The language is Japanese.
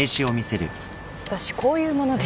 私こういう者です。